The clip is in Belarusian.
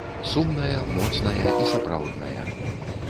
Сумная, моцная і сапраўдная.